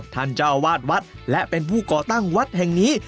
ท่านเจ้าวาดวัดและเป็นผู้ก่อตั้งวัดแห่งนี้